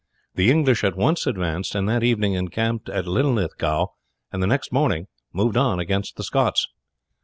The English at once advanced and that evening encamped at Linlithgow, and the next morning moved on against the Scots.